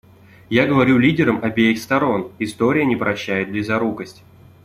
Я говорю лидерам обеих сторон: история не прощает близорукость.